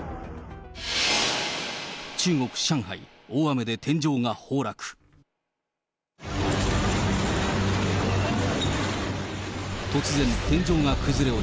中国・上海、大雨で天井が崩落。